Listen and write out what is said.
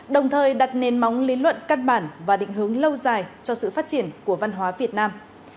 đồng thời đặt nền móng lý luận căn bản và định hướng lâu dài cho sự phát triển của văn hóa việt nam